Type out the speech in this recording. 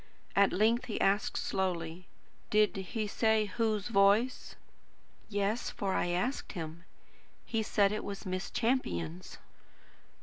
At length he asked slowly: "Did he say whose voice?" "Yes, for I asked him. He said it was Miss Champion's."